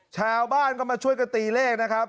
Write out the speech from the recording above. ชาวบ้านก็มาช่วยกันตีเลขนะครับ